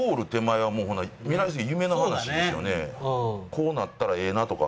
こうなったらええなとか。